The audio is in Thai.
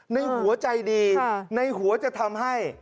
ในหัวใจดีในหัวจะทำให้